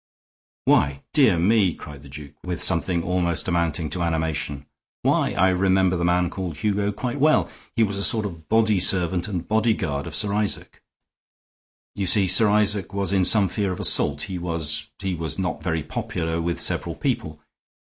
"Why, dear me!" cried the duke, with something almost amounting to animation. "Why, I remember the man called Hugo quite well! He was a sort of body servant and bodyguard of Sir Isaac. You see, Sir Isaac was in some fear of assault. He was he was not very popular with several people.